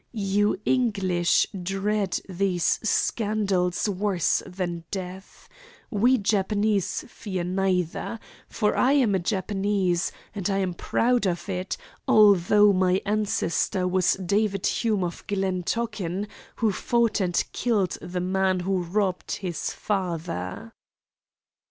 You English dread these scandals worse than death. We Japanese fear neither. For I am a Japanese, and I am proud of it, although my ancestor was David Hume of Glen Tochan, who fought and killed the man who robbed his father."